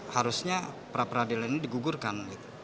harusnya pra peradilan ini digugurkan